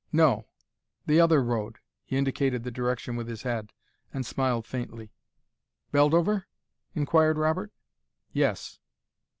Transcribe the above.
"No. The other road " He indicated the direction with his head, and smiled faintly. "Beldover?" inquired Robert. "Yes."